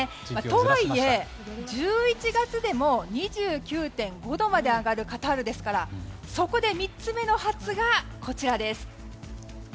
とはいえ、１１月でも２９．５度まで上がるカタールですからそこで３つ目の初がこちらです。